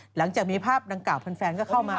หลังจากมีภาพดังกล่าแฟนก็เข้ามา